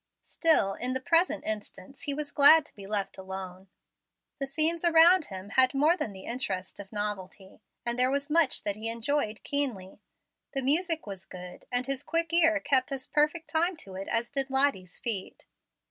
Still, in the present instance, he was glad to be left alone. The scenes around him had more than the interest of novelty, and there was much that he enjoyed keenly. The music was good, and his quick ear kept as perfect time to it as did Lottie's feet.